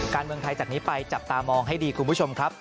การเมืองไทยจากนี้ไปจับตามองให้ดีคุณผู้ชมครับ